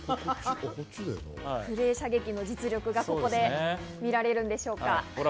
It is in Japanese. クレー射撃の実力がここで見られるのでしょうか。